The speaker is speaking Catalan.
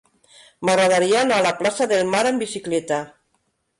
M'agradaria anar a la plaça del Mar amb bicicleta.